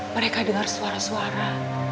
mereka dengar suara suara